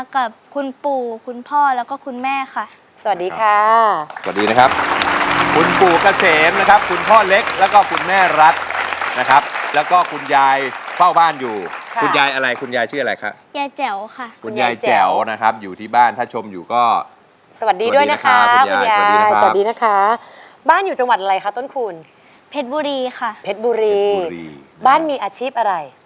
กับคุณปู่คุณพ่อแล้วก็คุณแม่ค่ะสวัสดีค่ะสวัสดีนะครับคุณปู่เกษมนะครับคุณพ่อเล็กแล้วก็คุณแม่รัฐนะครับแล้วก็คุณยายเฝ้าบ้านอยู่คุณยายอะไรคุณยายชื่ออะไรคะยายแจ๋วค่ะคุณยายแจ๋วนะครับอยู่ที่บ้านถ้าชมอยู่ก็สวัสดีด้วยนะครับคุณยายคุณยายสวัสดีนะคะบ้านอยู่จังหวัดอะไรคะต้นคุณเพชรบุรีค่ะเพชรบุรีบ้านมีอาชีพอะไร